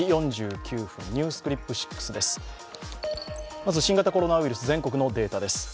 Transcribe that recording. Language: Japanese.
まず新型コロナウイルス、全国のデータです。